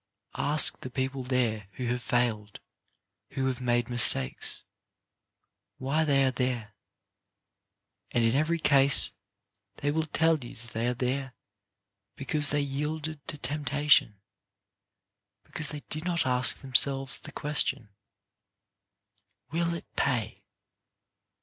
Ask the people there who have failed, who have made mistakes, why they are there, and in every case they will tell you that they are there because they yielded to temptation, be cause they did not ask themselves the question: Will it pay?"